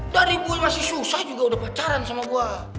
dari gue masih susah juga udah pacaran sama gue